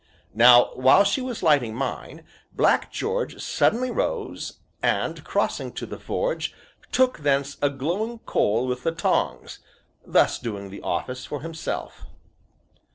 Now, while she was lighting mine, Black George suddenly rose, and, crossing to the forge, took thence a glowing coal with the tongs, thus doing the office for himself.